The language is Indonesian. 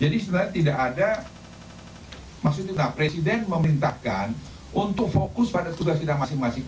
jadi sebenarnya tidak ada maksudnya presiden memerintahkan untuk fokus pada tugas tugas masing masing